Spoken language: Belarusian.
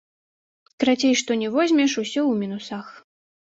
Карацей, што ні возьмеш, усё ў мінусах.